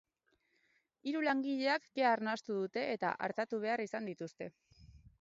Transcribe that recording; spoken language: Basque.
Hiru langilek kea arnastu dute eta artatu behar izan dituzte.